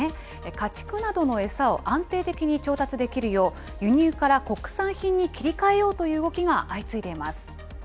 家畜などの餌を安定的に調達できるよう、輸入から国産品に切り替えようという動きが相次いでいます。